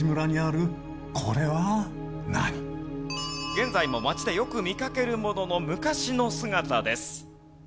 現在も街でよく見かけるものの昔の姿です。